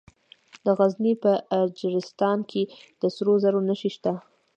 د غزني په اجرستان کې د سرو زرو نښې شته.